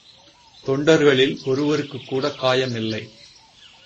தொண்டர்களில் ஒருவருக்குக் கூடக் காயமில்லை.